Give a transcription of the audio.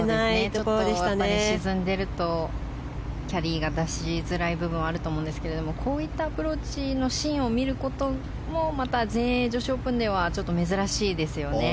ちょっと沈んでるとキャリーが出しづらい部分もあると思うんですけれどもこういったアプローチのシーンを見ることもまた全英女子オープンでは珍しいですよね。